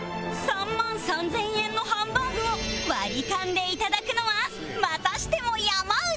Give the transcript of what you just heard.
３万３０００円のハンバーグをワリカンでいただくのはまたしても山内